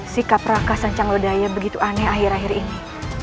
sikap rangka sancang lodaya begitu aneh akhir akhir ini